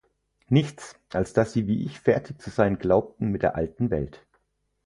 Nichts, als daß sie wie ich fertig zu sein glaubten mit der ‚alten Welt’“.